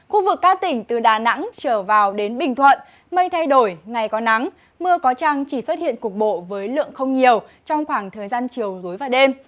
khu vực các tỉnh từ đà nẵng trở vào đến bình thuận mây thay đổi ngày có nắng mưa có trăng chỉ xuất hiện cục bộ với lượng không nhiều trong khoảng thời gian chiều tối và đêm